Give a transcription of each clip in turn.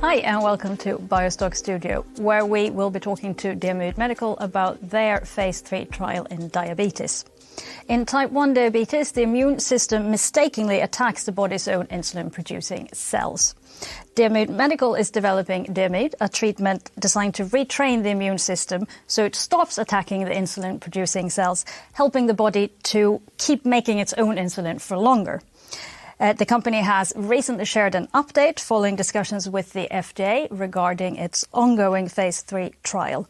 Hi, welcome to BioStock Studio, where we will be talking to Diamyd Medical about their phase 3 trial in diabetes. In Type 1 diabetes, the immune system mistakenly attacks the body's own insulin-producing cells. Diamyd Medical is developing Diamyd, a treatment designed to retrain the immune system, so it stops attacking the insulin-producing cells, helping the body to keep making its own insulin for longer. The company has recently shared an update following discussions with the FDA regarding its ongoing phase 3 trial,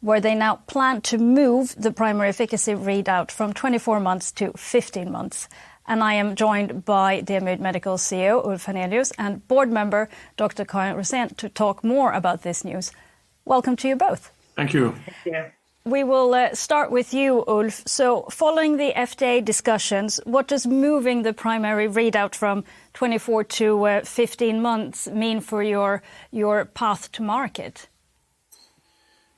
where they now plan to move the primary efficacy readout from 24 months to 15 months. I am joined by Diamyd Medical CEO, Ulf Hannelius, and Board Member, Dr. Karin Rosén, to talk more about this news. Welcome to you both. Thank you. Thank you. We will start with you, Ulf. Following the FDA discussions, what does moving the primary readout from 24 to 15 months mean for your path to market?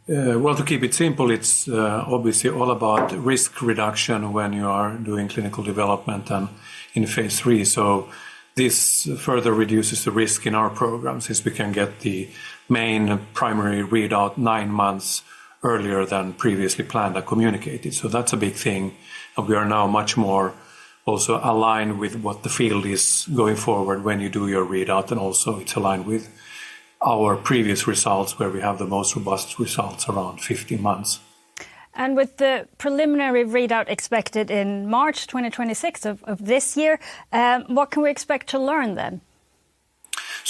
well, to keep it simple, it's obviously all about risk reduction when you are doing clinical development and in Phase 3. This further reduces the risk in our programs, as we can get the main primary readout 9 months earlier than previously planned and communicated. That's a big thing, and we are now much more also aligned with what the field is going forward when you do your readout. Also it's aligned with our previous results, where we have the most robust results around 15 months. With the preliminary readout expected in March 2026 of this year, what can we expect to learn then?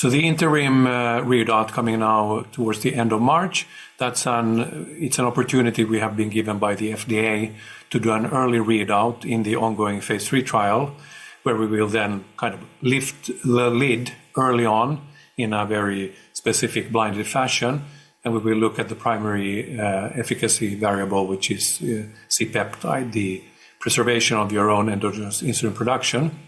The interim readout coming now towards the end of March, it's an opportunity we have been given by the FDA to do an early readout in the ongoing phase 3 trial, where we will then kind of lift the lid early on in a very specific, blinded fashion. We will look at the primary efficacy variable, which is C-peptide, the preservation of your own endogenous insulin production.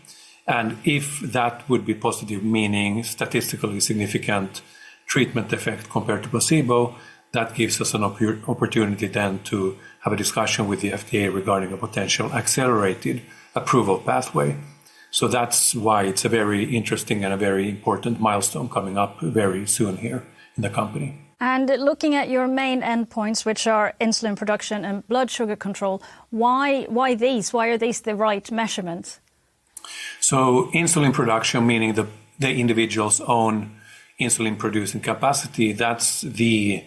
If that would be positive, meaning statistically significant treatment effect compared to placebo, that gives us an opportunity then to have a discussion with the FDA regarding a potential accelerated approval pathway. That's why it's a very interesting and a very important milestone coming up very soon here in the company. Looking at your main endpoints, which are insulin production and blood sugar control, why these? Why are these the right measurements? Insulin production, meaning the individual's own insulin-producing capacity, that's the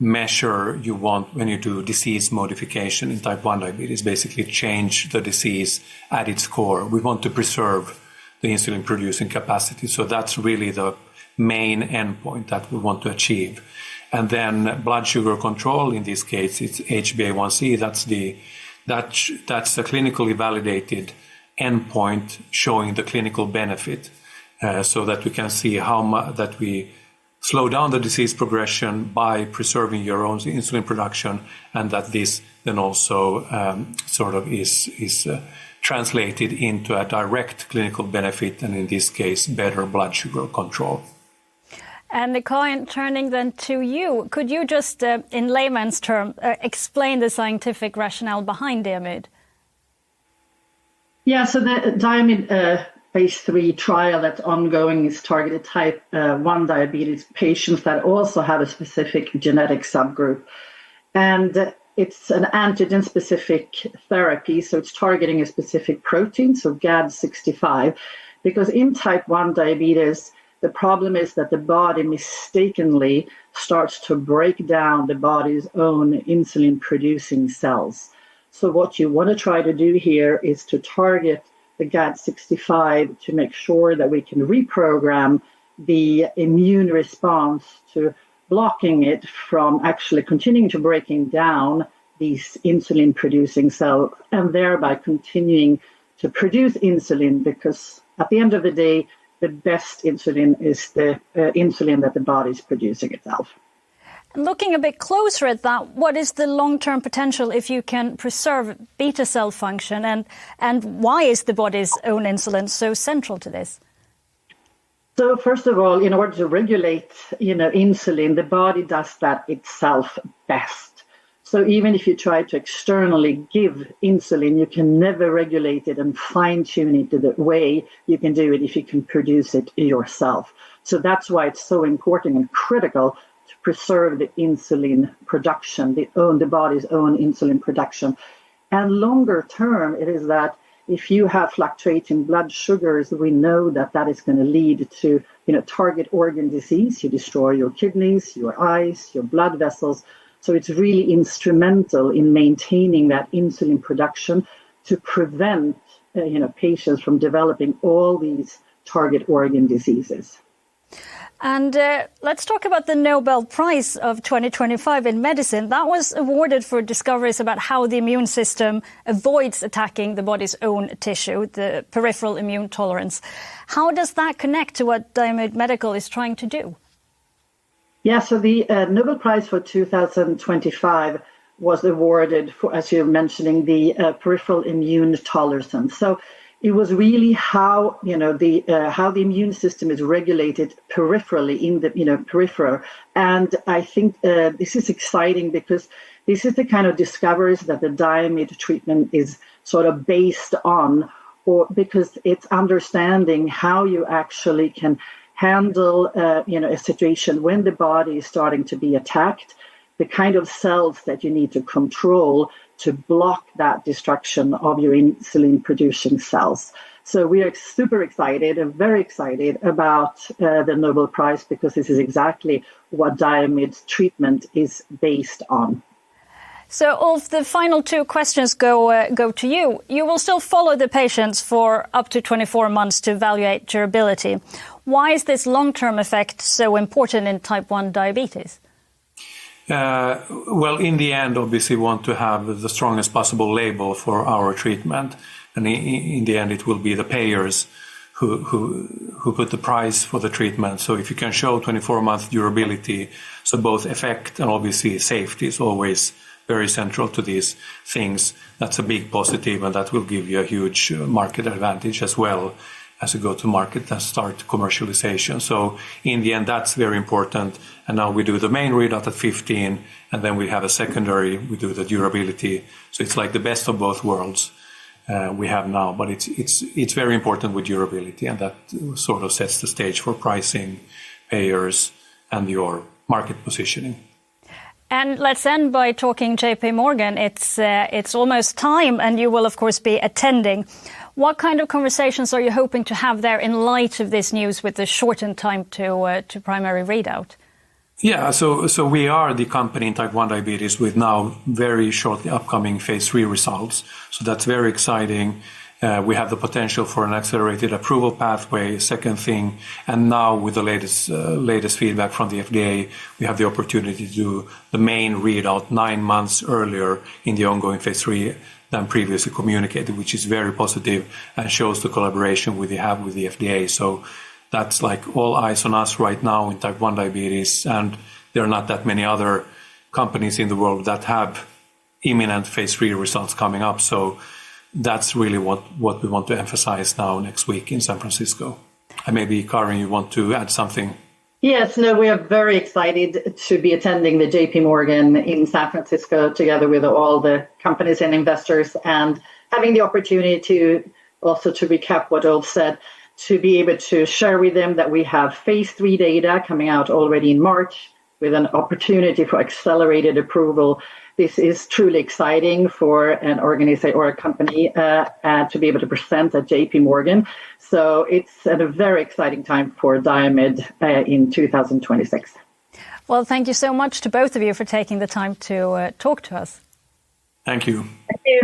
measure you want when you do disease modification in Type 1 diabetes. Basically, change the disease at its core. We want to preserve the insulin-producing capacity, so that's really the main endpoint that we want to achieve. Blood sugar control, in this case, it's HbA1c. That's the clinically validated endpoint showing the clinical benefit, so that we can see how that we slow down the disease progression by preserving your own insulin production, and that this then also, sort of is translated into a direct clinical benefit and, in this case, better blood sugar control. Karin, turning then to you, could you just in layman's terms explain the scientific rationale behind Diamyd? Yeah. The Diamyd Phase 3 trial that's ongoing is targeted Type 1 diabetes patients that also have a specific genetic subgroup. It's an antigen-specific therapy, so it's targeting a specific protein, so GAD65, because in Type 1 diabetes, the problem is that the body mistakenly starts to break down the body's own insulin-producing cells. What you want to try to do here is to target the GAD65 to make sure that we can reprogram the immune response to blocking it from actually continuing to breaking down these insulin-producing cells, and thereby continuing to produce insulin. At the end of the day, the best insulin is the insulin that the body's producing itself. Looking a bit closer at that, what is the long-term potential if you can preserve beta cell function, and why is the body's own insulin so central to this? First of all, in order to regulate, you know, insulin, the body does that itself best. Even if you try to externally give insulin, you can never regulate it and fine-tune it the way you can do it if you can produce it yourself. That's why it's so important and critical to preserve the insulin production, the body's own insulin production. Longer term, it is that if you have fluctuating blood sugars, we know that that is going to lead to, you know, target organ disease. You destroy your kidneys, your eyes, your blood vessels. It's really instrumental in maintaining that insulin production to prevent, you know, patients from developing all these target organ diseases. Let's talk about the Nobel Prize of 2025 in medicine. That was awarded for discoveries about how the immune system avoids attacking the body's own tissue, the peripheral immune tolerance. How does that connect to what Diamyd Medical is trying to do? Yeah, the Nobel Prize for 2025 was awarded for, as you're mentioning, the peripheral immune tolerance. It was really how, you know, how the immune system is regulated peripherally in the, you know, peripheral. I think this is exciting because this is the kind of discoveries that the Diamyd treatment is sort of based on or because it's understanding how you actually can handle, you know, a situation when the body is starting to be attacked, the kind of cells that you need to control to block that destruction of your insulin-producing cells. We are super excited and very excited about the Nobel Prize because this is exactly what Diamyd's treatment is based on. Ulf, the final 2 questions go to you. You will still follow the patients for up to 24 months to evaluate durability. Why is this long-term effect so important in Type 1 diabetes? Well, in the end, obviously, we want to have the strongest possible label for our treatment, and in the end, it will be the payers who put the price for the treatment. If you can show 24-month durability, so both effect and obviously safety is always very central to these things, that's a big positive, and that will give you a huge market advantage as well as you go to market and start commercialization. In the end, that's very important, and now we do the main readout at 15, and then we have a secondary. We do the durability, so it's like the best of both worlds we have now. It's very important with durability, and that sort of sets the stage for pricing, payers, and your market positioning. Let's end by talking J.P. Morgan. It's almost time, and you will, of course, be attending. What kind of conversations are you hoping to have there in light of this news with the shortened time to primary readout? Yeah. So we are the company in Type 1 diabetes with now very shortly upcoming Phase 3 results, so that's very exciting. We have the potential for an accelerated approval pathway, second thing, and now with the latest feedback from the FDA, we have the opportunity to do the main readout 9 months earlier in the ongoing Phase 3 than previously communicated, which is very positive and shows the collaboration we have with the FDA. That's like all eyes on us right now in Type 1 diabetes, and there are not that many other companies in the world that have imminent Phase 3 results coming up, so that's really what we want to emphasize now next week in San Francisco. Maybe, Karin, you want to add something? Yes. No, we are very excited to be attending the J.P. Morgan in San Francisco, together with all the companies and investors, and having the opportunity to... also to recap what Ulf said, to be able to share with them that we have Phase 3 data coming out already in March with an opportunity for accelerated approval. This is truly exciting for a company to be able to present at J.P. Morgan, so it's at a very exciting time for Diamyd in 2026. Well, thank you so much to both of you for taking the time to talk to us. Thank you. Thank you.